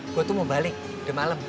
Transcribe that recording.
gue tuh mau balik udah malam